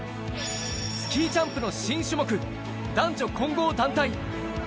スキージャンプの新種目、男女混合団体。